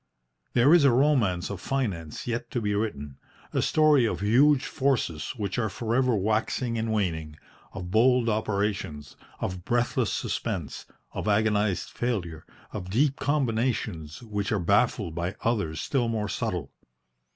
There is a romance of finance yet to be written, a story of huge forces which are for ever waxing and waning, of bold operations, of breathless suspense, of agonised failure, of deep combinations which are baffled by others still more subtle.